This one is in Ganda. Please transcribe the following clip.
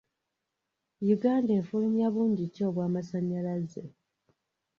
Uganda efulumya bungi ki obw'amasanyalaze?